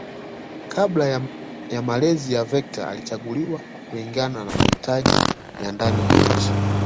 Kabla ya malezi ya vector alichaguliwa kulingana na mahitaji ya ndani ya nchi